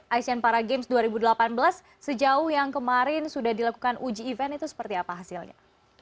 asian para games dua ribu delapan belas sejauh yang kemarin sudah dilakukan uji event itu seperti apa hasilnya